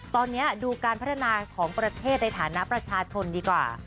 ตอนนี้ดูการพัฒนาของประเทศในฐานะประชาชนดีกว่า